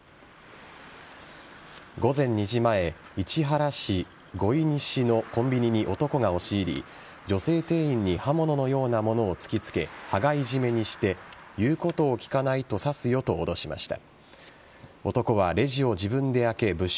午前２時前市原市五井西のコンビニに男が押し入り女性店員に刃物のようなものを突きつけ羽交い締めにして言うことを聞かないと刺すよと脅しました。